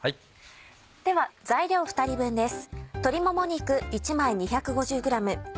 では材料２人分です。